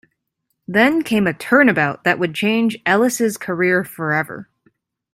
Then came a turnabout that would change Ellis's career forever.